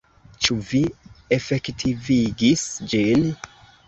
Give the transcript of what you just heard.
Ĉu vi efektivigis ĝin?